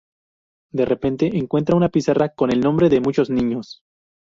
De repente encuentra una pizarra con el nombre de muchos niños.